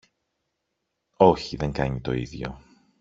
Όχι, δεν κάνει το ίδιο